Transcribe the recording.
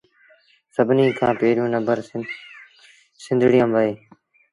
سڀنيٚ کآݩ پيريوݩ نمبر سنڌڙيٚ آݩب اهي